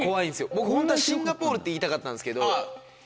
僕ホントはシンガポールって言いたかったんですけど。